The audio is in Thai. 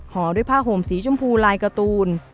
ห่อด้วยผ้าห่มสีชมพูลายการ์ตูน